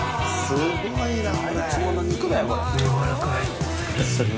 すごいな。